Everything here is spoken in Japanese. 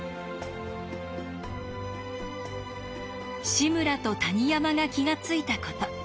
志村と谷山が気が付いたこと。